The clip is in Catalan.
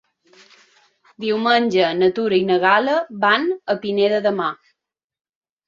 Diumenge na Tura i na Gal·la van a Pineda de Mar.